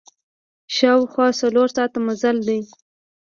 شاوخوا څلور ساعته مزل ده.